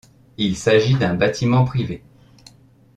Il s'agit d'un bâtiment privé.